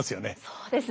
そうですね。